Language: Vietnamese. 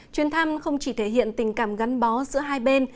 chuyến thăm không chỉ thể hiện tình cảm gắn bó giữa hai bên